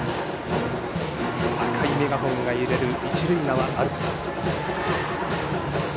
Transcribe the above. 赤いメガホンが揺れる一塁側アルプス。